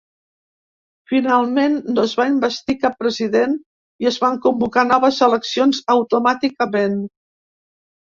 Finalment no es va investir cap president i es van convocar noves eleccions automàticament.